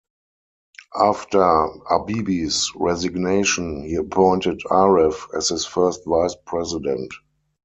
After Habibi's resignation, he appointed Aref as his First Vice President.